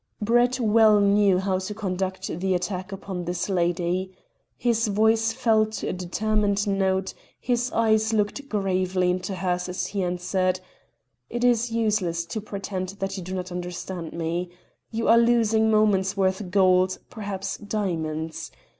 Brett well knew how to conduct the attack upon this lady. His voice fell to a determined note, his eyes looked gravely into hers as he answered "It is useless to pretend that you do not understand me. You are losing moments worth gold, perhaps diamonds!